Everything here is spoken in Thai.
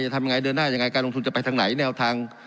ทำยังไงเดินหน้ายังไงการลงทุนจะไปทางไหนแนวทาง